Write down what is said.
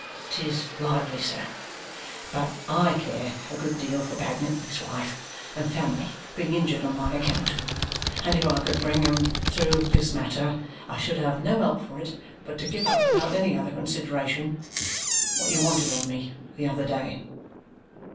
"'Tis likely, sir. But I care a good deal for Bagnet and his wife and family being injured on my account. And if I could bring them through this matter, I should have no help for it but to give up without any other consideration what you wanted of me the other day."